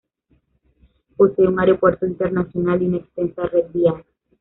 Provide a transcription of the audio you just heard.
Posee un aeropuerto internacional y una extensa red vial.